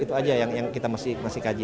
itu saja yang kita masih kajikan